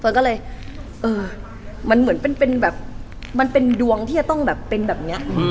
ก็เลยเออมันเหมือนเป็นแบบมันเป็นดวงที่จะต้องแบบเป็นแบบนี้